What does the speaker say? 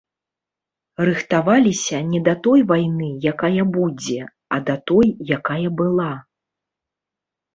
Рыхтаваліся не да той вайны, якая будзе, а да той, якая была.